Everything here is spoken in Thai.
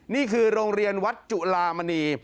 นี่คือโรงเรียนวัดจุลามณี